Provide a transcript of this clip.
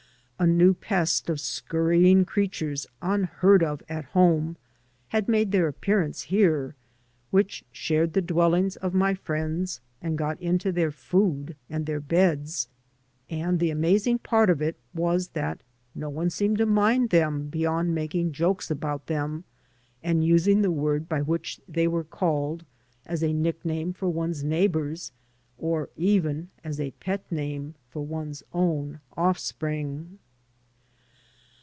A new pest of scurrying creatures unheard of at home had made their appearance here, which shared the dwellings of my friends and got into their food and their beds; and the amazing part of it was that no one seemed to mind them beyond making jokes about them and using the word by which .they were 81 AN AMERICAN IN THE MAKING called as a nickname for one's neighbors or even as a pet name for one's own oflFspring.